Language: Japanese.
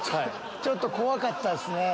ちょっと怖かったですね。